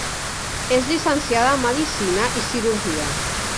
És llicenciada en medicina i cirurgia.